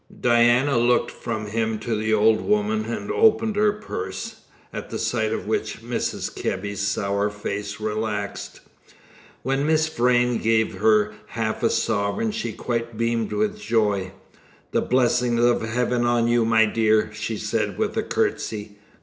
Diana looked from him to the old woman, and opened her purse, at the sight of which Mrs. Kebby's sour face relaxed. When Miss Vrain gave her half a sovereign she quite beamed with joy. "The blessing of heaven on you, my dear," she said, with a curtsey.